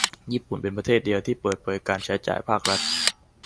ญี่ปุ่นเป็นประเทศเดียวที่เปิดเผยการใช้จ่ายภาครัฐ